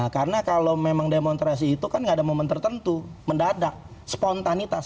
karena kalau memang demonstrasi itu kan nggak ada momen tertentu mendadak spontanitas